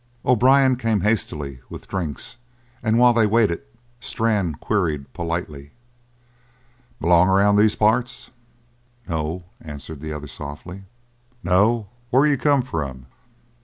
O'Brien came hastily, with drinks, and while they waited Strann queried politely: "Belong around these parts?" "No," answered the other softly. "No? Where you come from?"